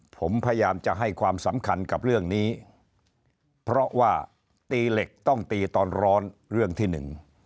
ผมพยายามจะให้ความสำคัญกับเรื่องนี้เพราะว่าตีเหล็กต้องตีตอนร้อนเรื่องที่หนึ่ง